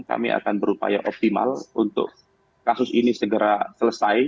kami akan berupaya optimal untuk kasus ini segera selesai